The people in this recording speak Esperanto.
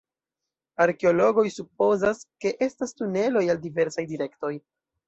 Arkeologoj supozas, ke estas tuneloj al diversaj direktoj.